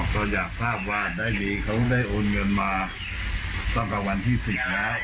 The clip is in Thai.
ก็อยากทราบว่าได้มีเขาได้โอนเงินมาต่อกับวันที่สิบแล้ว